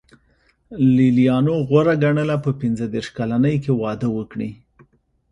لېلیانو غوره ګڼله په پنځه دېرش کلنۍ کې واده وکړي.